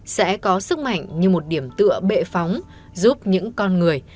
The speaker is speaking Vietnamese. sẽ có sức mạnh như một điểm tựa bệ phóng giúp những con người